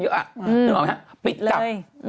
เห็นไหมครับปิดกลับ